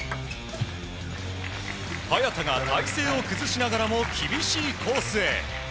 早田が体勢を崩しながらも厳しいコースへ。